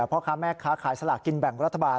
พ่อค้าแม่ค้าขายสลากกินแบ่งรัฐบาล